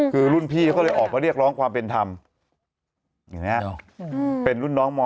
คือรุ่นพี่เขาเลยออกมาเรียกร้องความเป็นธรรมอย่างนี้เป็นรุ่นน้องม๔